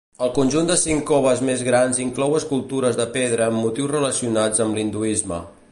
El conjunt de cinc coves més grans inclou escultures de pedra amb motius relacionats amb l'hinduisme.